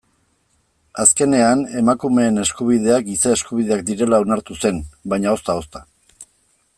Azkenean emakumeen eskubideak giza eskubideak direla onartu zen, baina ozta-ozta.